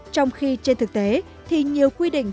trong khi trên thực tế thì nhiều quy định